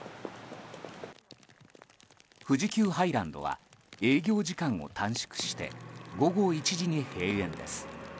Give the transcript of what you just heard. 富士急ハイランドは営業時間を短縮して午後１時に閉園です。